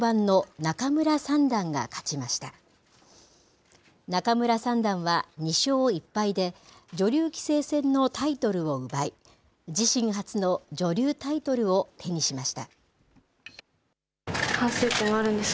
仲邑三段は２勝１敗で、女流棋聖戦のタイトルを奪い、自身初の女流タイトルを手にしました。